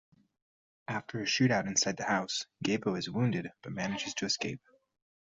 After a shootout inside the house, Gabo is wounded but manages to escape.